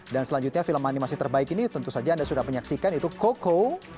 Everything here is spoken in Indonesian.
dan selanjutnya film animasi terbaik ini tentu saja anda sudah menyaksikan itu coco